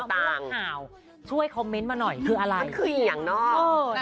น้ำพริกมะม่วงห่าวช่วยคอมเมนต์มาหน่อยคืออะไรมันคืออย่างนอกเออ